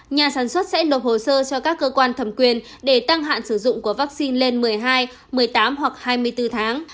nhà sản xuất sẽ nộp hồ sơ cho các cơ quan thẩm quyền để tăng hạn sử dụng của vaccine lên một mươi hai một mươi tám hoặc hai mươi bốn tháng